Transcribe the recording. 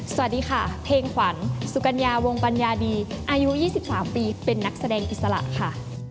สวัสดีค่ะเพลงขวัญสุกัญญาวงปัญญาดีอายุ๒๓ปีเป็นนักแสดงอิสระค่ะ